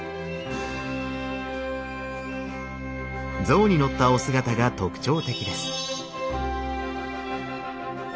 象に乗ったお姿が特徴的です。